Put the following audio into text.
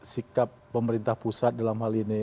sikap pemerintah pusat dalam hal ini